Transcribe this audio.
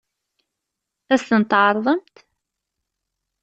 Ad as-ten-tɛeṛḍemt?